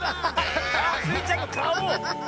スイちゃんのかお！